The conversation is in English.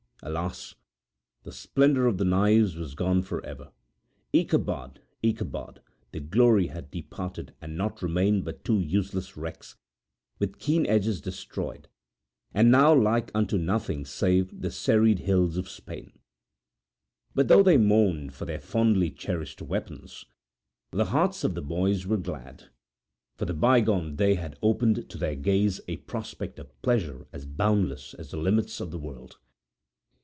Alas! the splendour of the knives was gone for ever. Ichabod! Ichabod! the glory had departed and naught remained but two useless wrecks, with keen edges destroyed, and now like unto nothing save the serried hills of Spain. But though they mourned for their fondly cherished weapons, the hearts of the boys were glad; for the bygone day had opened to their gaze a prospect of pleasure as boundless as the limits of the world.